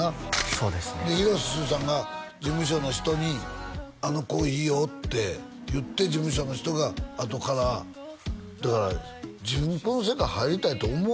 そうですねで広瀬すずさんが事務所の人に「あの子いいよ」って言って事務所の人があとからだから自分この世界入りたいと思う